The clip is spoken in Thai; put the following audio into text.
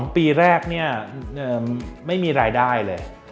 ปีแรกเนี่ยไม่มีรายได้เลย